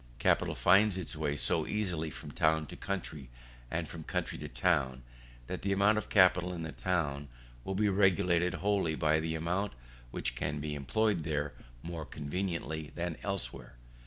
Capital finds its way so easily from town to country and from country to town, that the amount of capital in the town will be regulated wholly by the amount which can be employed there more conveniently than elsewhere.